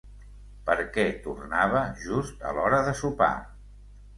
Per què tornava just a l'hora de sopar?